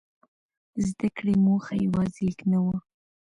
د زده کړې موخه یوازې لیک نه وه.